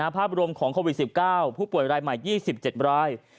ภาพรวมของโควิด๑๙ผู้ป่วยรายใหม่๒๗ราย